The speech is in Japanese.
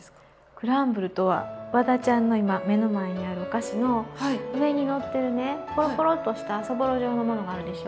クランブルとはワダちゃんの今目の前にあるお菓子の上にのってるねポロポロッとしたそぼろ状のものがあるでしょう。